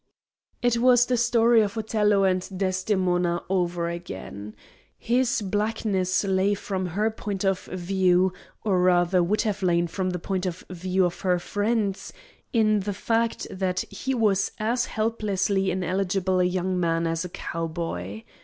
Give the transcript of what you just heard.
It was the story of Othello and Desdemona over again. His blackness lay from her point of view, or rather would have lain from the point of view of her friends, in the fact that he was as helplessly ineligible a young man as a cowboy.